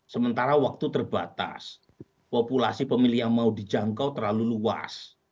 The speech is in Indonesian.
sementara waktu terbatas populasi pemilih yang mau dijangkau terlalu luas